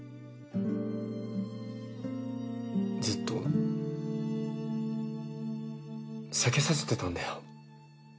ずっと避けさせてたんだよ。